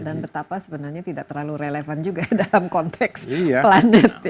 dan betapa sebenarnya tidak terlalu relevan juga dalam konteks planet